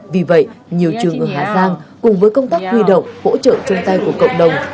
vì vậy nhiều trường ở hà giang cùng với công tác huy động hỗ trợ chung tay của cộng đồng